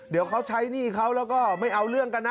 เดี๋ยวเขาใช้หนี้เขาแล้วก็ไม่เอาเรื่องกันนะ